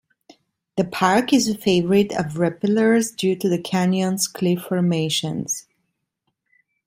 The park is a favorite of rappellers due to the canyon's cliff formations.